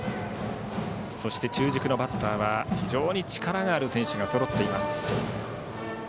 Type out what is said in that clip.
中軸のバッターは非常に力がある選手がそろいます。